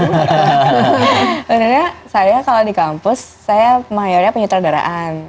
sebenarnya saya kalau di kampus saya mayornya penyutradaraan